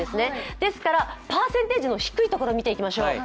ですからパーセンテージの低いところを見ていきましょう。